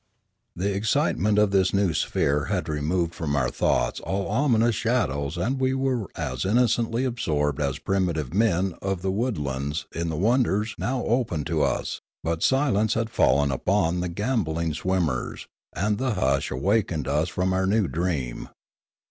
The excitement of this new sphere had removed from our thoughts all ominous shadows and we were as innocently absorbed as primitive men of the wood lands in the wonders now opened to us; but silence had fallen upon the gambolling swimmers, and the hush awakened us from our new dream.